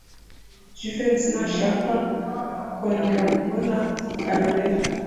Jivency ntashaka kongera kubona Kalorina.